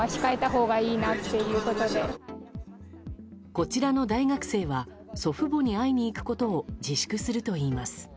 こちらの大学生は祖父母に会いに行くことを自粛するといいます。